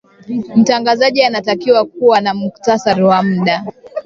mtangazaji anatakiwa kuwa na muhtasari wa mada